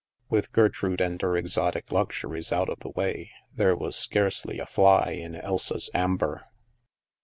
With Gertrude and her exotic luxuries out of the way, there was scarcely a fly in Elsa's amber.